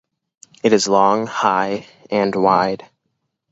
It is long, high, and wide.